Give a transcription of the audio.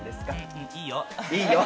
いいよ。